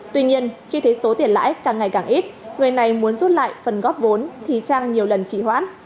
tuy nhiên khi thấy số tiền lãi càng ngày càng ít người này muốn rút lại phần góp vốn thì trang nhiều lần chỉ hoãn